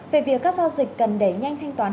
về việc các giao dịch cần đẩy nhanh thanh toán